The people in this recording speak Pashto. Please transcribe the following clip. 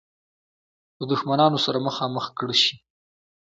له دښمنانو سره مخامخ کړه شي.